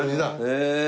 へえ。